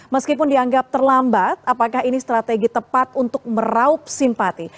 meskipun dianggap terlambat apakah ini strategi tepat untuk meraup simpati